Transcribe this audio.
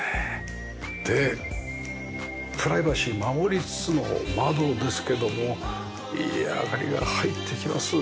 でプライバシーを守りつつの窓ですけどもいい明かりが入ってきます。